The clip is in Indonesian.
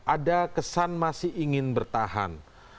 ada kesan masih ingin bertahan